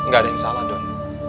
gak ada yang salah dong